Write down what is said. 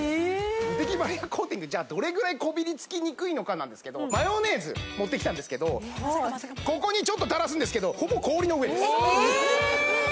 ムテキバリアコーティングじゃあどれぐらいこびりつきにくいのかなんですけどマヨネーズ持ってきたんですけどここにちょっと垂らすんですけどほぼ氷の上ですえーっ！